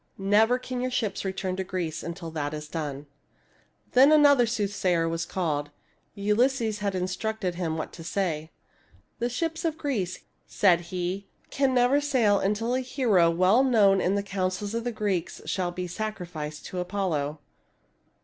' Never can your ships return to Greece until that is done.' " Then another soothsayer was called. Ulysses had instructed him what to say. ' The ships of Greece,' said he, ' can never sail until a hero well known in the councils of the Greeks shall be sacri ficed to Apollo.'